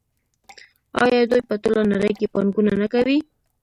آیا دوی په ټوله نړۍ کې پانګونه نه کوي؟